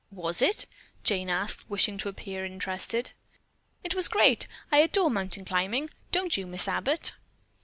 "Was it?" Jane asked, wishing to appear interested. "It was great! I adore mountain climbing, don't you, Miss Abbott?"